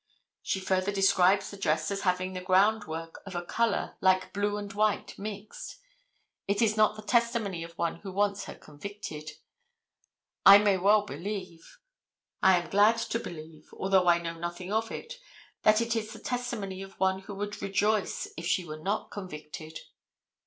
She further describes the dress as having the ground work of a color "like blue and white mixed." It is not the testimony of one who wants her convicted. I may well believe, I am glad to believe, although I know nothing of it, that it is the testimony of one who would rejoice if she were not convicted.